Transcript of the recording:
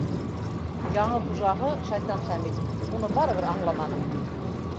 Яңы хужаһы, Шайтан Хәмит, уны барыбер аңламаны.